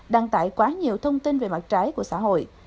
đăng tải quá nhiều thông tin về mặt trái của xã hội